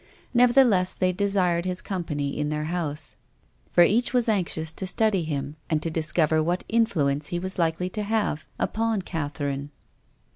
Nevertheless they desired his company in their house. For each Avas anxious to study him and to discover what influence he was hkely to have upon Catherine.